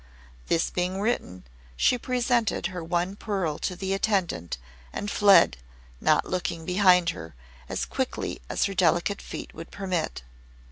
This being written, she presented her one pearl to the attendant and fled, not looking behind her, as quickly as her delicate feet would permit.